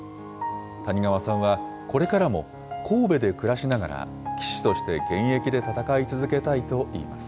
谷川さんはこれからも神戸で暮らしながら、棋士として現役で戦い続けたいといいます。